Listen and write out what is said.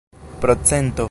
procento